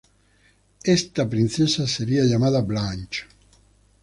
Ésta princesa sería llamada Blanche.